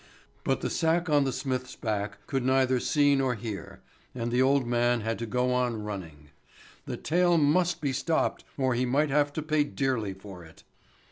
But the sack on the smith's back could neither see nor hear, and the old man had to go on running. The tale must be stopped, or he might have to pay dearly for it.